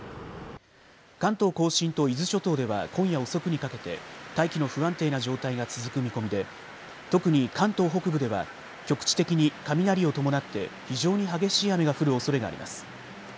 関東甲信と伊豆諸島では今夜遅くにかけて大気の不安定な状態が続く見込みで特に関東北部では局地的に雷を伴って非常に激しい雨が降るおそれがあります。